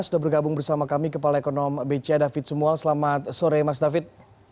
sudah bergabung bersama kami kepala ekonomi bca david sumual selamat sore mas david